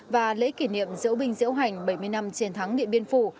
và lễ kỷ niệm diễu binh diễu hành bảy mươi năm chiến thắng điện biên phủ